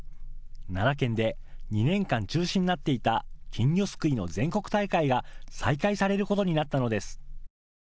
奈良県で２年間中止になっていた金魚すくいの全国大会が再開されることになったのです。